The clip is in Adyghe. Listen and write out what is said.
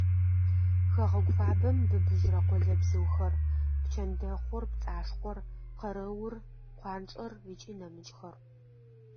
Хэгъэгу фабэм быбыжьрэ къолэбзыухэр: пчэндэхъур, пцӏашхъор, къэрэур, къуанчӏэр ыкӏи нэмыкӏхэр.